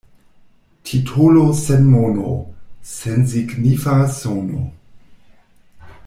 Titolo sen mono — sensignifa sono.